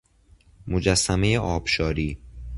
مجسمه آبشاری